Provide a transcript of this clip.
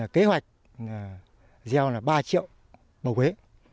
kế hoạch gieo là ba triệu bầu huế